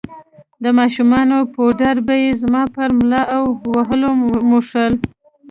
د ماشومانو پوډر به يې زما پر ملا او ولو موښل.